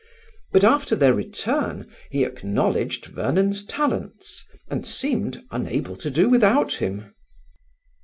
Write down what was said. But after their return he acknowledged Vernon's talents, and seemed unable to do without him.